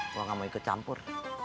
gua gak mau ikut campur